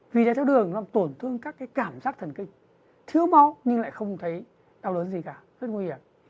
vì đái đường nó tổn thương các cảm giác thần kinh thiếu máu nhưng lại không thấy đau lớn gì cả rất nguy hiểm